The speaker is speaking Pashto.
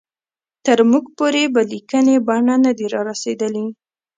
تر موږ پورې په لیکلې بڼه نه دي را رسېدلي.